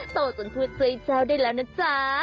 โตจนพูดไส้เจ้าได้แล้วนะจ๊ะ